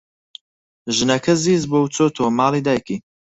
ژنەکە زیز بووە و چۆتەوە ماڵی دایکی.